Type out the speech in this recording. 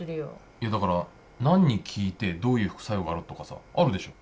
いやだから何に効いてどういう副作用があるとかさあるでしょ？